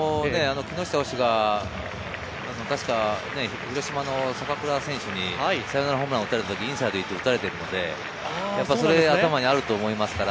木下は確か広島の坂倉選手にサヨナラホームラン打たれた時にインサイド行って打たれているのでそれが頭にあると思いますから。